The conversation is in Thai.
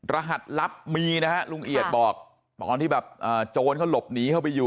รหัสลับตรงนี้ลุงเอียดบอกตอนที่โจรลบหนีเข้าไปอยู่